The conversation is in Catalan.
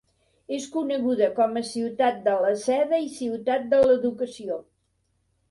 És coneguda com a Ciutat de la Seda i Ciutat de l'Educació.